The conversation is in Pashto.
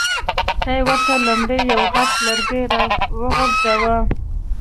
خدای ورته لومړی یو غټ لرګی را وغورځاوه.